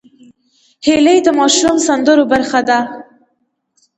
هیلۍ د ماشوم سندرو برخه ده